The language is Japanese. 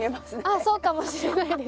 ああそうかもしれないです。